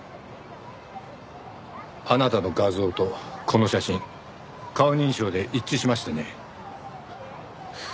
あなたの画像とこの写真顔認証で一致しましてね。